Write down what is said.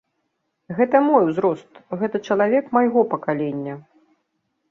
Гэта мой узрост, гэта чалавек майго пакалення.